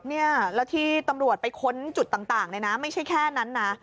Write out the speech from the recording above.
เนี่ยแล้วที่ตำรวจไปค้นจุดต่างเลยนะไม่ใช่แค่นั้นนะ